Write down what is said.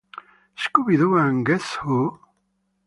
Scooby-Doo and Guess Who?